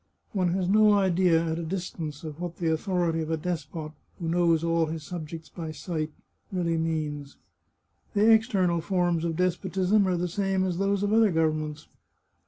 " One has no idea, at a distance, of what the authority of a despot, who knows all his subjects by sight, really means. The external forms of despotism are the same as those of other governments.